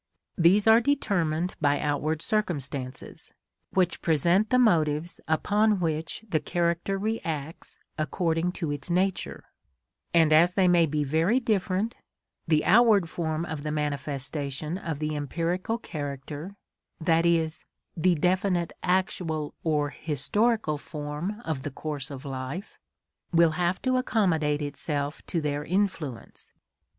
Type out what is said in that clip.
These are determined by outward circumstances, which present the motives upon which the character reacts according to its nature; and as they may be very different, the outward form of the manifestation of the empirical character, that is, the definite actual or historical form of the course of life, will have to accommodate itself to their influence.